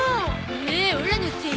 えオラのせい？